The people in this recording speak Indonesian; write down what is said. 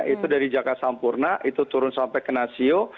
itu dari jakartasampurna itu turun sampai ke nasio